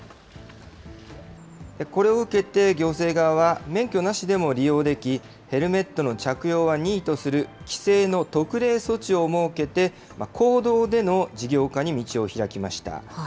これを受けて行政側は、免許なしでも利用でき、ヘルメットの着用は任意とする規制の特例措置を設けて、公道での事業化に道を開きました。